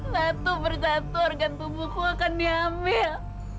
satu persatu organ tubuhku akan diambil